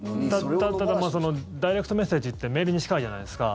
ただダイレクトメッセージってメールに近いじゃないですか。